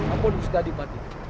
apun gusti adipati